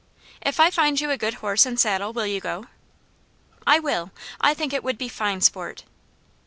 "If I find you a good horse and saddle will you go?" "I will. I think it would be fine sport."